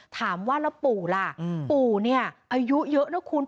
ถามว่าแล้วปู่ล่ะปู่เนี่ยอายุเยอะนะคุณ